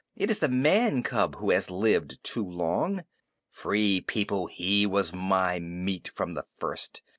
It is the man cub who has lived too long. Free People, he was my meat from the first.